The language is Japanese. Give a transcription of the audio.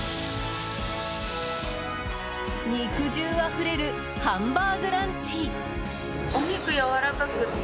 肉汁あふれるハンバーグランチ！